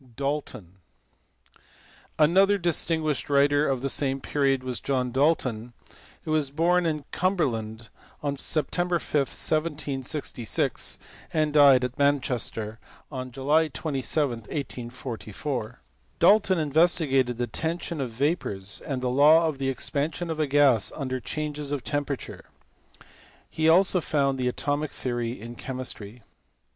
Dalton*. Another distinguished writer of the same period was John Dalton, who was born in Cumberland on Sept. 5, 1766, and died at Manchester on July 27, 1844. Dalton in vestigated the tension of vapours, and the law of the expansion of a gas under changes of temperature. He also founded the atomic theory in chemistry.